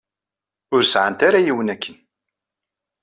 Ur sɛant ara yiwen akken.